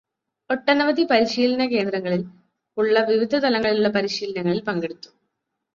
ഒട്ടനവധി പരിശീലന കേന്ദ്രങ്ങളിൽ ഉള്ള വിവിധ തലങ്ങളിലുള്ള പരിശീലനങ്ങളിൽ പങ്കെടുത്തു.